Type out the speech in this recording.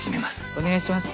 お願いします。